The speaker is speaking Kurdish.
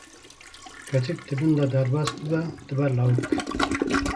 keçik di bin de derbas bibe dibe lawik!